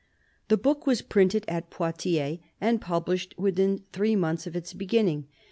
The book was printed at Poitiers, and published within three months of its beginning.